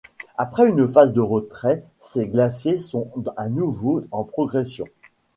Après une phase de retrait, ces glaciers sont à nouveau en progression.